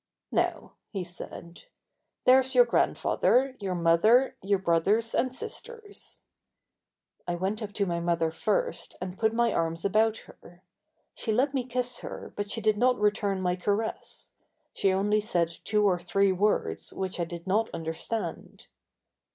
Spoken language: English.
"Now," he said, "there's your grandfather, your mother, your brothers and sisters." I went up to my mother first and put my arms about her. She let me kiss her but she did not return my caress; she only said two or three words which I did not understand.